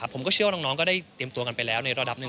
ผมก็เชื่อว่าน้องก็ได้เตรียมตัวกันไปแล้วในระดับหนึ่ง